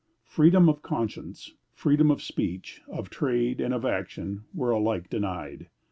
Freedom of conscience, freedom of speech, of trade, and of action, were alike denied.